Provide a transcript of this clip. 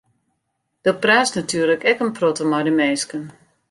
Do praatst natuerlik ek in protte mei de minsken.